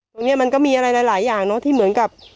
มันก็มีอะไรหลายอย่างเนอะที่เหมือนกับ